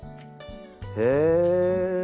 へえ！